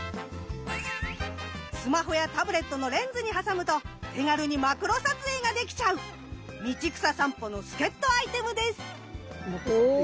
スマホやタブレットのレンズに挟むと手軽にマクロ撮影ができちゃう道草さんぽの助っとアイテムです。